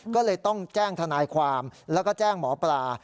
ก็เลยต้องแจ้งทนายความแล้วก็แจ้งหมอปลา